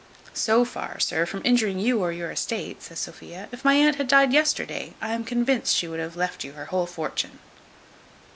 "So far, sir, from injuring you or your estate," says Sophia, "if my aunt had died yesterday, I am convinced she would have left you her whole fortune."